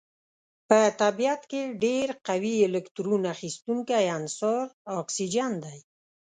په طبیعت کې ډیر قوي الکترون اخیستونکی عنصر اکسیجن دی.